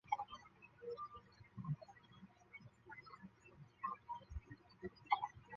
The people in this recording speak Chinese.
诺伊恩塔尔是德国黑森州的一个市镇。